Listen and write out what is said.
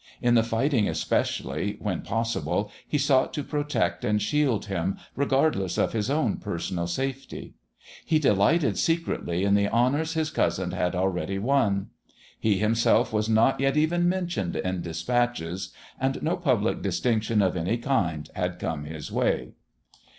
In the fighting especially, when possible, he sought to protect and shield him, regardless of his own personal safety. He delighted secretly in the honours his cousin had already won. He himself was not yet even mentioned in dispatches, and no public distinction of any kind had come his way.